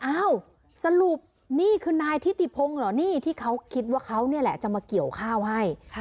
อ้าวสรุปนี่คือนายทิติพงศ์เหรอนี่ที่เขาคิดว่าเขานี่แหละจะมาเกี่ยวข้าวให้